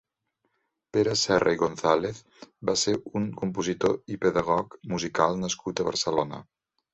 Pere Serra i Gonzàlez va ser un compositor i pedagog musical nascut a Barcelona.